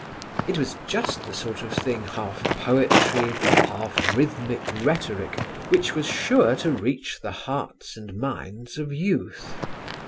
It was just the sort of thing, half poetry, half rhythmic rhetoric, which was sure to reach the hearts and minds of youth.